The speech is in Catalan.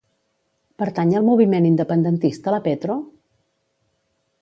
Pertany al moviment independentista la Petro?